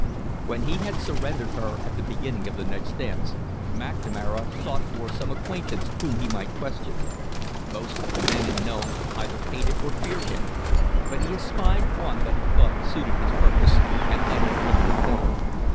When he had surrendered her, at the beginning of the next dance, McNamara sought for some acquaintance whom he might question. Most of the men in Nome either hated or feared him, but he espied one that he thought suited his purpose, and led him into a corner.